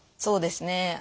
そうですね。